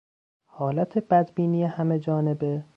حالت بدبینی همه جانبه